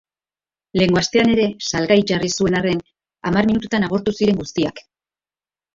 Lehengo astean ere salgai jarri zuen arren, hamar minututan agortu ziren guztiak.